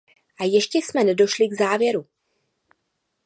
A ještě jsme nedošli k závěru.